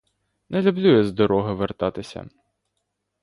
Не люблю я з дороги вертатися.